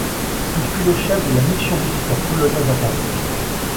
Il fut le chef de la Mission militaire polonaise à Paris.